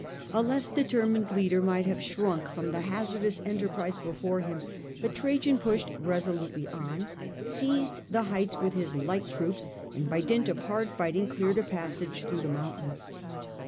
A less determined leader might have shrunk from the hazardous enterprise before him ; but Trajan pushed resolutely on, seized the heights with his light troops, and by dint of hard fighting cleared a passage through the mountains.